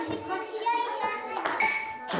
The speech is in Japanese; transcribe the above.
試合やらないよ